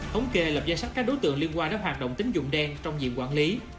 hống kề lập gia sách các đối tượng liên quan đến hoạt động tính dụng đen trong diện quản lý